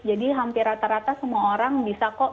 jadi hampir rata rata semua orang bisa kok